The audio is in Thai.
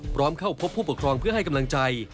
พร้อมเข้าพบผู้ปกครองเพื่อให้กำลังใจ